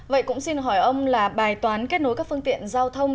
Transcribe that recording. vậy cũng xin hỏi ông là bài toán kết nối các phương tiện giao thông